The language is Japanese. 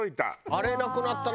あれなくなったな。